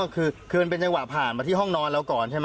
คือมันเป็นจังหวะผ่านมาที่ห้องนอนเราก่อนใช่ไหม